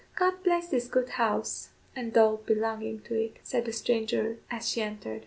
"God bless this good house and all belonging to it," said the stranger as she entered.